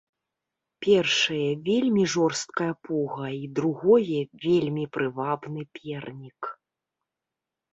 Першае, вельмі жорсткая пуга і, другое, вельмі прывабны пернік.